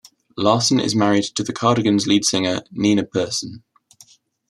Larson is married to The Cardigans lead singer, Nina Persson.